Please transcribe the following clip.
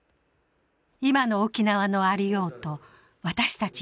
今の沖縄のありようと私たち